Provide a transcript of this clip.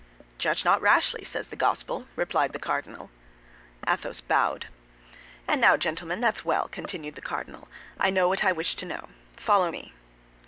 "'Judge not rashly', says the Gospel," replied the cardinal. Athos bowed. "And now, gentlemen, that's well," continued the cardinal. "I know what I wish to know; follow me."